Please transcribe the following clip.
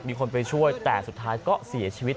มีคนไปช่วยแต่สุดท้ายก็เสียชีวิต